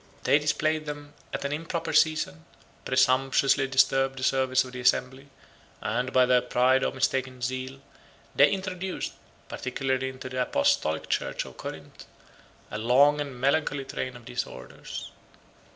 They displayed them at an improper season, presumptuously disturbed the service of the assembly, and, by their pride or mistaken zeal, they introduced, particularly into the apostolic church of Corinth, a long and melancholy train of disorders.